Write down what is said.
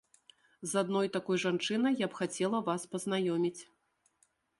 З адной такой жанчынай я б хацела вас пазнаёміць.